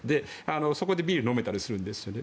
そこでビールを飲めたりするんですね。